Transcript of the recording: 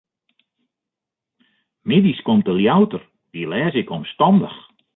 Middeis komt de Ljouwerter, dy lês ik omstannich.